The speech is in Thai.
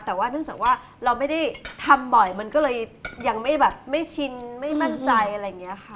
แต่ว่าเนื่องจากว่าเราไม่ได้ทำบ่อยมันก็เลยยังไม่แบบไม่ชินไม่มั่นใจอะไรอย่างนี้ค่ะ